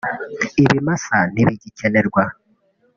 ibimasa ntibigikenerwa